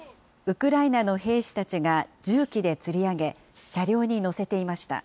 ウクライナの兵士たちが、重機でつり上げ、車両に載せていました。